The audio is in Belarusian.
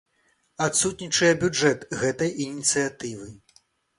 Адсутнічае бюджэт гэтай ініцыятывы.